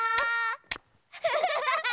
ハハハハ！